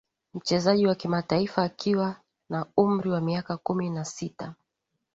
Mchezaji wa kimataifa akiwa na umri wa miaka kumi na sita